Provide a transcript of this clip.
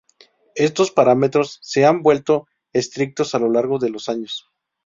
Estos parámetros se han vuelto estrictos a lo largo de los años.